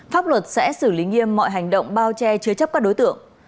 pháp luật sẽ xử lý nghiêm mọi hành động bao che chứa chấp các đối tượng